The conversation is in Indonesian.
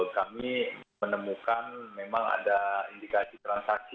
kami menemukan memang ada indikasi transaksi